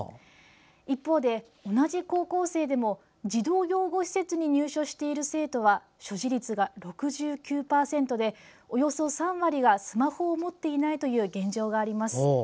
一方で、同じ高校生でも児童養護施設に入所している生徒は所持率が６９％でおよそ３割がスマホを持っていないという現状があります。